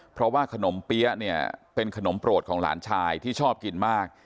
เพราะว่าขนมเปี๊ยะเนี่ยเป็นขนมโปรดของหลานชายที่ชอบกินมาก